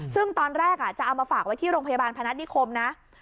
ซึ่งตอนแรกจะเอามาฝากไว้ที่โรงพยาบาลพนัฐนิคมนะ